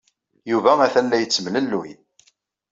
Yuba atan la yettemlelluy.